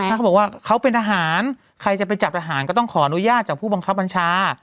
ถ้าเขาบอกว่าเขาเป็นทหารใครจะไปจับทหารก็ต้องขออนุญาตจากผู้บังคับบัญชา